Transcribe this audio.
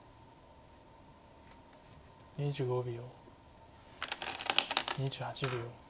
２５秒。